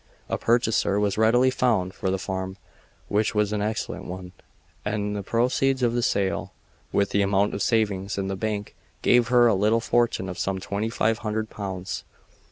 A purchaser was readily found for the farm, which was an excellent one, and the proceeds of the sale, with the amount of savings in the bank, gave her a little fortune of some twenty five hundred pounds.